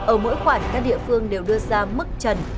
ở mỗi khoản các địa phương đều đưa ra mức trần